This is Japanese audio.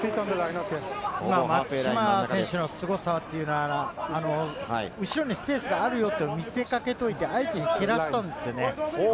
松島選手のすごさというのは後ろにスペースがあるよと見せ掛けておいて相手に蹴らせたんですよね。